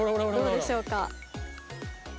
どうでしょうか。